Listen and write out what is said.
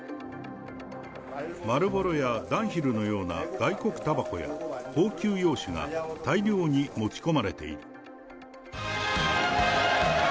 マルボロやダンヒルのような外国たばこや、高級洋酒が大量に持ち込まれている。